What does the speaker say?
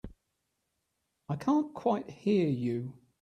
I can't quite hear you.